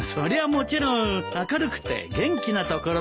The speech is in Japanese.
もちろん明るくて元気なところだよ。